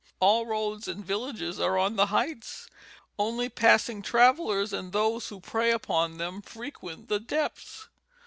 All roads and villages are on the heights, only passing travelers and those who prey upon them frequent the depths.